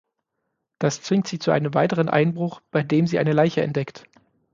Das zwingt sie zu einem weiteren Einbruch, bei dem sie eine Leiche entdeckt.